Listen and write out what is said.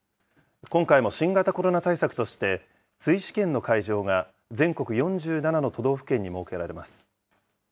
今回も新型コロナ対策として、追試験の会場が全国４７の都道府県に設けられます。